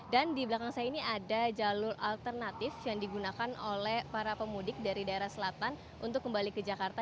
dan di belakang saya ini ada jalur alternatif yang digunakan oleh para pemudik dari daerah selatan untuk kembali ke jakarta